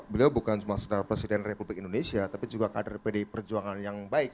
beliau bukan cuma sekedar presiden republik indonesia tapi juga kader pdi perjuangan yang baik